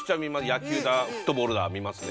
野球だフットボールだ見ますね。